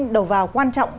đầu vào quan trọng